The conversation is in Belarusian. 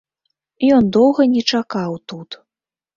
Ён доўга не чакаў тут.